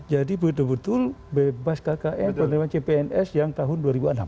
jadi betul betul bebas kkn penerimaan cpns yang tahun dua ribu enam